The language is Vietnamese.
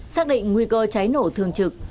xác định nguy cơ cháy nổ thường trực